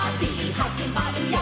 はじまるよ」